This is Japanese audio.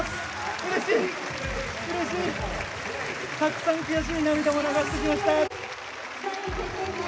たくさん悔しい涙を流してきました。